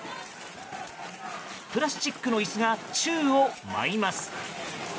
プラスチックの椅子が宙を舞います。